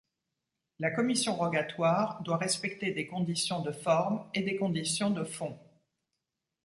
La commission rogatoire doit respecter des conditions de forme et des conditions de fond.